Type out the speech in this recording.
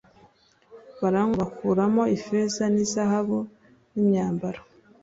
baranywa bakuramo ifeza n izahabu n imyambaro